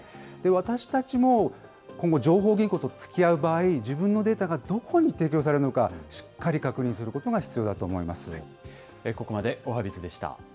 私たちも今後、情報銀行とつきあう場合、自分のデータがどこに提供されるのか、しっかり確認することが必要だと思います。